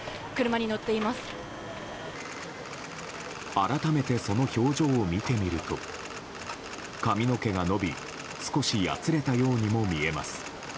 改めてその表情を見てみると髪の毛が伸び少し、やつれたようにも見えます。